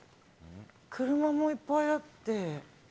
車もいっぱいあって。